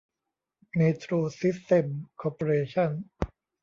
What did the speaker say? เมโทรซิสเต็มส์คอร์ปอเรชั่น